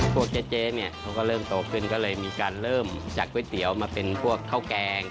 เจ๊เนี่ยเขาก็เริ่มโตขึ้นก็เลยมีการเริ่มจากก๋วยเตี๋ยวมาเป็นพวกข้าวแกง